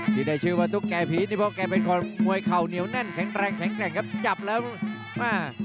ที่ได้ชื่อว่าตุ๊กแก่ผีนี่เพราะแกเป็นคนมวยเข่าเหนียวแน่นแข็งแรงแข็งแกร่งครับจับแล้วอ่า